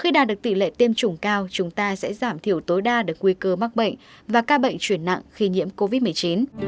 khi đạt được tỷ lệ tiêm chủng cao chúng ta sẽ giảm thiểu tối đa được nguy cơ mắc bệnh và ca bệnh chuyển nặng khi nhiễm covid một mươi chín